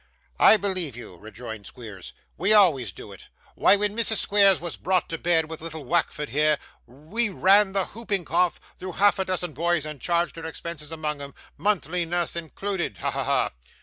'I believe you,' rejoined Squeers. 'We always do it. Why, when Mrs Squeers was brought to bed with little Wackford here, we ran the hooping cough through half a dozen boys, and charged her expenses among 'em, monthly nurse included. Ha! ha! ha!